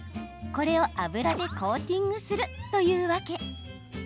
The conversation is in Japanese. これを油でコーティングするというわけ。